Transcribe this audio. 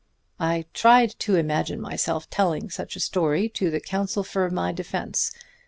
I tried to imagine myself telling such a story to the counsel for my defense.